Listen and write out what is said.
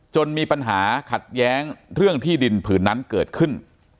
มีปัญหาขัดแย้งเรื่องที่ดินผืนนั้นเกิดขึ้น